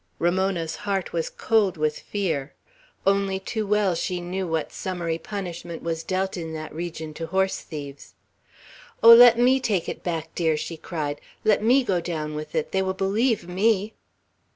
Ramona's heart was cold with fear. Only too well she knew what summary punishment was dealt in that region to horse thieves. "Oh, let me take it back, dear!" she cried, "Let me go down with it. They will believe me."